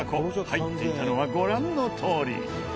入っていたのはご覧のとおり。